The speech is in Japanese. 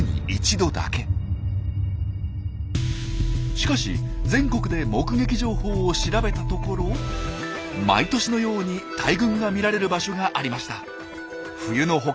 しかし全国で目撃情報を調べたところ毎年のように大群が見られる場所がありました。